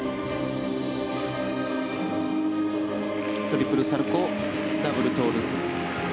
トリプルサルコウダブルトウループ。